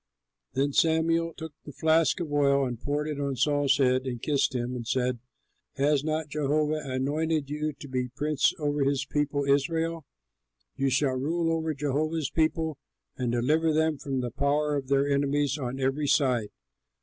Then Samuel took the flask of oil and poured it on Saul's head, and kissed him and said, "Has not Jehovah anointed you to be a prince over his people Israel? You shall rule over Jehovah's people and deliver them from the power of their enemies on every side.